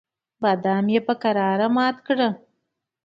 بادام یې په کراره مات کړل.